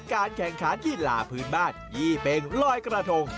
การแข่งขันกีฬาพื้นบ้านยี่เป็งลอยกระทง